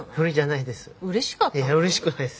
いやうれしくないです。